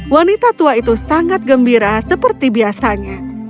wanita tua itu sangat gembira seperti biasanya